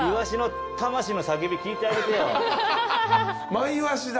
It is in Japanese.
マイワシだ。